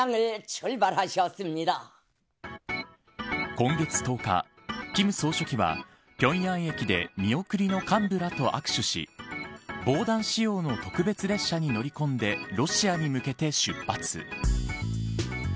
今月１０日、金総書記は平壌駅で見送りの幹部らと握手し防弾仕様の特別列車に乗り込んでロシアに向けて出発。